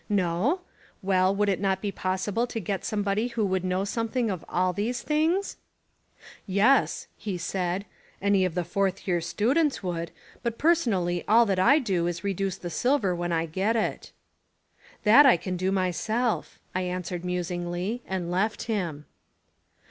No? Well, would it not be possible to get somebody who would know something of all these things?" "Yes," he said, "any of the fourth year students would, but personally all that I do is to reduce the silver when I get it." "That I can do myself," I answered musingly, and left him.